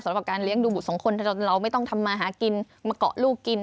สำหรับการเลี้ยงดูบุตรสองคนเราไม่ต้องทำมาหากินมาเกาะลูกกิน